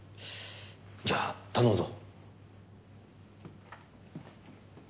じゃあ頼むぞ。